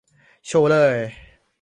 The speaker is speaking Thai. โชว์เลย